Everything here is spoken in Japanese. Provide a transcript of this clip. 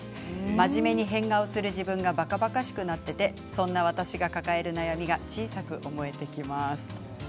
真面目で変顔をする自分がばかばかしくなってそんな私が抱える悩みが小さく思えてきます。